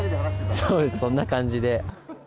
そうです、そんな感じで。